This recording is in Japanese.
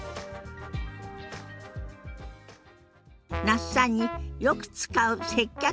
那須さんによく使う接客